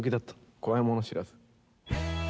怖いもの知らず。